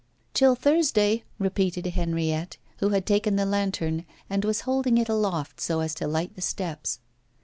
'Till Thursday!' repeated Henriette, who had taken the lantern and was holding it aloft so as to light the steps.